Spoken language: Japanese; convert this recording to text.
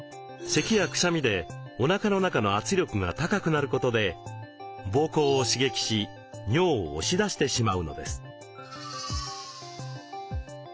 せきやくしゃみでおなかの中の圧力が高くなることで膀胱を刺激し尿を押し出してしまうのです。